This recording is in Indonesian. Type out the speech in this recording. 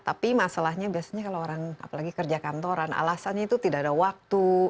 tapi masalahnya biasanya kalau orang apalagi kerja kantoran alasannya itu tidak ada waktu